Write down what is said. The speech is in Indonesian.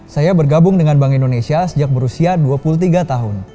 saya bergabung dengan bank indonesia sejak berusia dua puluh tiga tahun